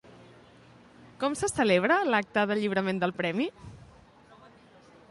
Com se celebra l'acte de lliurament del Premi?